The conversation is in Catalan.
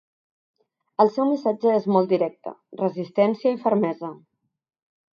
El seu missatge és molt directe: Resistència i fermesa.